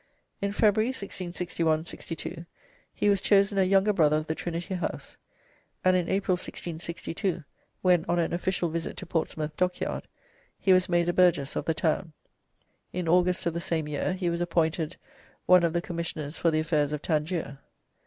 In February, 1661 62, he was chosen a Younger Brother of the Trinity House, and in April, 1662, when on an official visit to Portsmouth Dockyard, he was made a burgess of the town. In August of the same year he was appointed one of the commissioners for the affairs of Tangier.